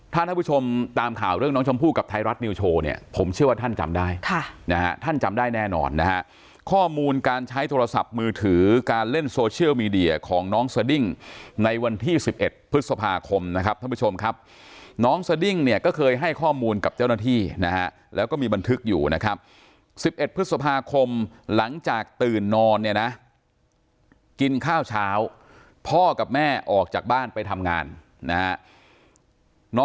ถ้าท่านผู้ชมตามข่าวเรื่องน้องชมพู่กับไทยรัฐนิวโชว์เนี้ยผมเชื่อว่าท่านจำได้ค่ะนะฮะท่านจำได้แน่นอนนะฮะข้อมูลการใช้โทรศัพท์มือถือการเล่นโซเชียลมีเดียของน้องสดิ้งในวันที่สิบเอ็ดพฤษภาคมนะครับท่านผู้ชมครับน้องสดิ้งเนี้ยก็เคยให้ข้อมูลกับเจ้าหน้าที่นะฮะแล้วก็